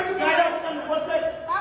tim liputan cnn indonesia